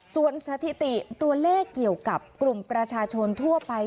ส่วนสถิติตัวเลขเกี่ยวกับกลุ่มประชาชนทั่วไป